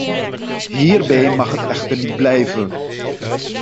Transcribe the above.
Hierbij mag het echter niet blijven.